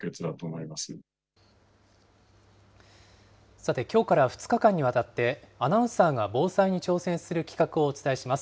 さて、きょうから２日間にわたって、アナウンサーが防災に挑戦する企画をお伝えします。